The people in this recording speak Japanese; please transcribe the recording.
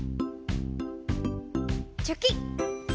チョキ！